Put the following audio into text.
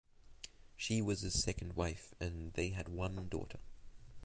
She was his second wife and they had one daughter.